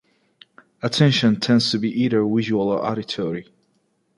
Attention tends to be either visual or auditory.